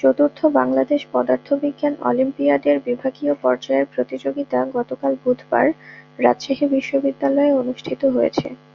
চতুর্থ বাংলাদেশ পদার্থবিজ্ঞান অলিম্পিয়াডের বিভাগীয় পর্যায়ের প্রতিযোগিতা গতকাল বুধবার রাজশাহী বিশ্ববিদ্যালয়ে অনুষ্ঠিত হয়েছে।